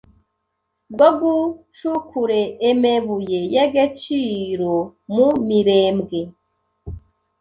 bwo gucukure emebuye y’egeciro mu mirembwe